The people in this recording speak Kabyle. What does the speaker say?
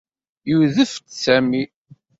Yudef-d Sami.